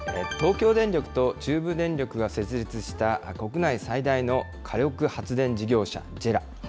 東京電力と中部電力が設立した国内最大の火力発電事業者、ＪＥＲＡ。